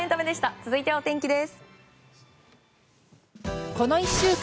続いては、お天気です。